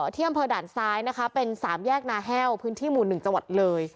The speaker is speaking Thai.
ที่อำเภอด่านซ้ายนะคะเป็น๓แยกนาแห้วพื้นที่หมู่๑จังหวัดเลย